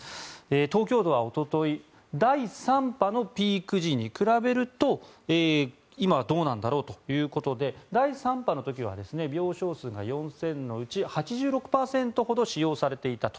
東京都はおととい第３波のピーク時に比べると今はどうなんだろうということで第３波の時は病床数が４０００のうち８６％ほど使用されていたと。